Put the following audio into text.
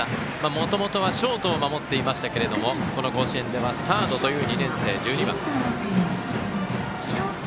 もともとはショートを守っていましたけれどもこの甲子園ではサードという２年生、１、２番。